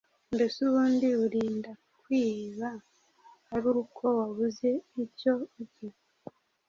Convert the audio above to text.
mbese ubundi urinda kwiba ari uko wabuze icyo urya?